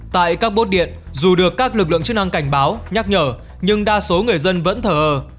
tại các bốt điện dù được các lực lượng chức năng cảnh báo nhắc nhở nhưng đa số người dân vẫn thở ơ